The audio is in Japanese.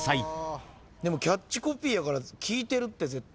でもキャッチコピーやから聞いてるって絶対。